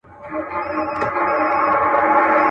اوس به څنګه پر اغزیو تر منزل پوري رسیږي.